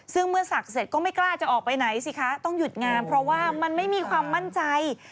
ซึ่งเมื่อศักดิ์เสร็จก็ไม่กล้าจะออกไปไหนสิคะต้องหยุดงานเพราะว่ามันไม่มีความมั่นใจ